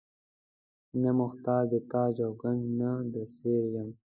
نه محتاج د تاج او ګنج نه د سریر یم.